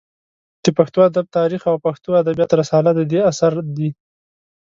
د پښتو ادب تاریخ او پښتو ادبیات رساله د ده اثار دي.